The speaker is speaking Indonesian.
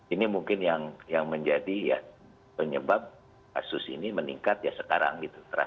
ini mungkin yang menjadi penyebab kasus ini meningkat sekarang